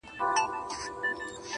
پلار ویل زویه ته دا و وایه بل چا ته,